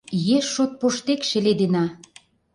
Еш шот поштек шеледена.